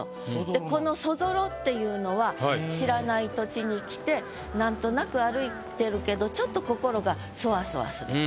この「そぞろ」っていうのは知らない土地に来てなんとなく歩いてるけどちょっと心がそわそわすると。